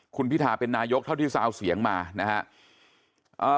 คุณพิทาเป็นนายกเท่าที่ซาวเสียงมานะครับ